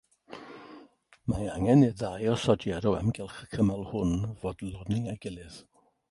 Mae angen i'r ddau osodiad o amgylch y cymal hwn fodloni ei gilydd.